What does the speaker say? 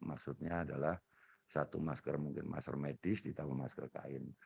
maksudnya adalah satu masker mungkin masker medis ditambah masker kain